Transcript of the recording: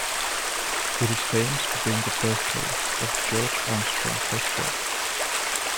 It is famous for being the birthplace of George Armstrong Custer.